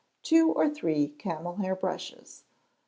Two or three camel hair brushes.